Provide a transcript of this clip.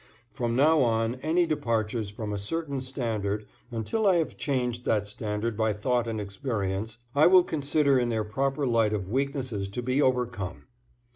From now on any departures from a certain standard until I have changed that standard by thought and experience, I will consider in their proper light of weaknesses to be overcome.